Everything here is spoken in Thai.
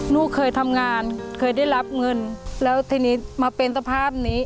ลูกเคยทำงานเคยได้รับเงินแล้วทีนี้มาเป็นสภาพนี้